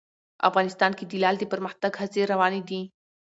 افغانستان کې د لعل د پرمختګ هڅې روانې دي.